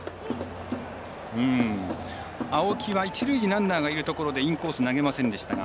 青木、一塁にランナーがいるところでインコース投げませんでしたが。